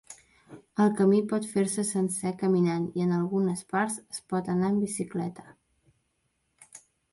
El camí pot fer-se sencer caminant, i en algunes parts es pot anar amb bicicleta.